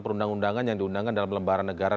perundang undangan yang diundangkan dalam lembaran negara